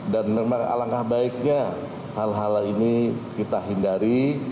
dan memang alangkah baiknya hal hal ini kita hindari